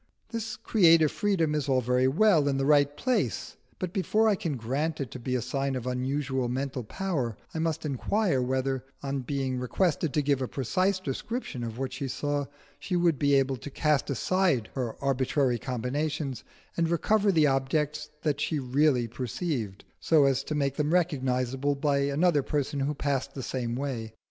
This creative freedom is all very well in the right place, but before I can grant it to be a sign of unusual mental power, I must inquire whether, on being requested to give a precise description of what she saw, she would be able to cast aside her arbitrary combinations and recover the objects she really perceived so as to make them recognisable by another person who passed the same way.